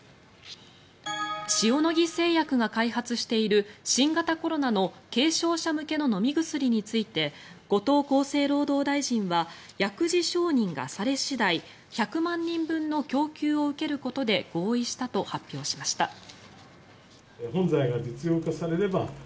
塩野義製薬が開発している新型コロナの軽症者向けの飲み薬について後藤厚生労働大臣は薬事承認がされ次第１００万人分の供給を受けることで合意したと発表しました。